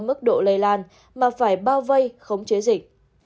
mức độ lây lan mà phải bao vây khống chế dịch